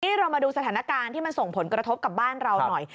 เรามาดูสถานการณ์ที่มันส่งผลกระทบกับบ้านเราหน่อย